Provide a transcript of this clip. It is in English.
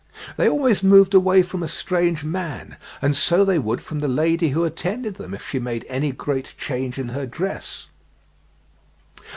They always moved away from a strange man, and so they would from the lady who attended them if she made any great change in her dress.